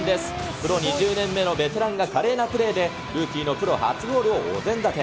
プロ２０年目のベテランが華麗なプレーで、ルーキーのプロ初ゴールをお膳立て。